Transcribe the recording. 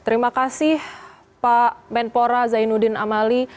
terima kasih pak menpora zainuddin amali